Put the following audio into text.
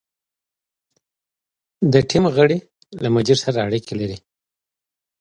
د ټیم غړي له مدیر سره اړیکې لري.